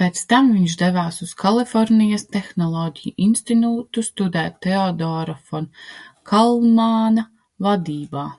Pēc tam viņš devās uz Kalifornijas Tehnoloģiju institūtu studēt Teodora fon Kārmāna vadībā.